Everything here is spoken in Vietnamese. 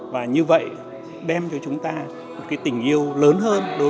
và như vậy đem cho chúng ta một cái tình yêu lớn hơn đối với hà nội